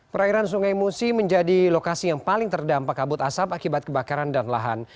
perairan sungai musi menjadi lokasi yang paling terdampak kabut asap akibat kebakaran dan lahan